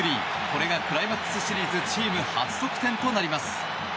これがクライマックスシリーズチーム初得点となります。